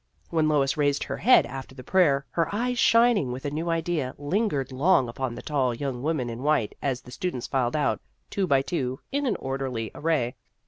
When Lois raised her head after the prayer, her eyes, shining with a new idea, lingered long upon the tall young woman in white, as the students filed out, two by two, in orderly array.